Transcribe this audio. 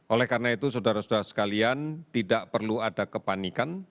oleh karena itu saudara saudara sekalian tidak perlu ada kepanikan